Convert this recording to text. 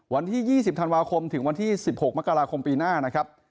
วันที่๒๐ธันวาคมถึงวันที่๑๖มกราคมปีหน้านะครับ